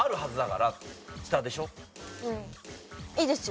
いいですよ。